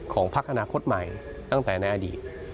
ของพรรคอนาคตใหม่ตั้งแต่ในอดีต